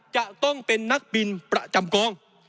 จะต้องเป็นนักบินประจำกอง